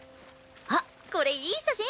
あっこれいい写真！